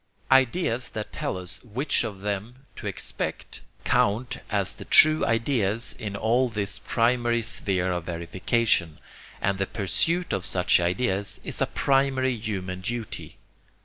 Ideas that tell us which of them to expect count as the true ideas in all this primary sphere of verification, and the pursuit of such ideas is a primary human duty.